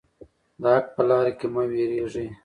د حق په لاره کې مه ویریږئ.